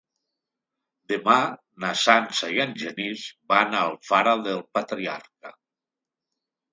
Demà na Sança i en Genís van a Alfara del Patriarca.